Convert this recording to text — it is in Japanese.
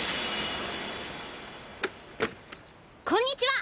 こんにちは！